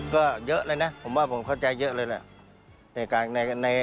ก็เยอะเลยนะผมว่าผมเข้าใจเยอะเลยแหละ